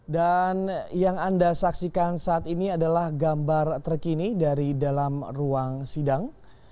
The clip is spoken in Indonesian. dan yang anda saksikan saat ini adalah gambar terkini dari dalam ruang sidang